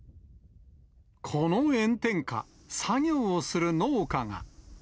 この炎天下、作業をする農家